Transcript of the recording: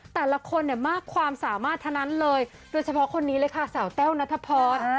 แต่ละคนเนี่ยมากความสามารถทั้งนั้นเลยโดยเฉพาะคนนี้เลยค่ะสาวแต้วนัทพร